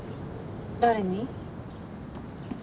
誰に？